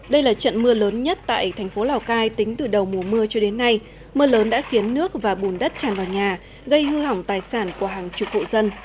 đây là trận mưa lớn nhất tại thành phố lào cai tính từ đầu mùa mưa cho đến nay mưa lớn đã khiến nước và bùn đất tràn vào nhà gây hư hỏng tài sản của hàng chục hộ dân